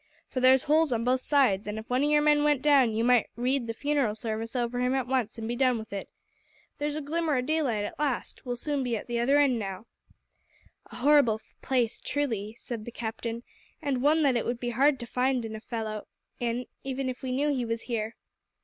"For there's holes on both sides, an' if one o' your men went down, ye might read the funeral sarvice over him at once, an' be done with it. There's a glimmer o' daylight at last. We'll soon be at the other end now." "A horrible place, truly," said the Captain, "and one that it would be hard to find a fellow in even if we knew he was here."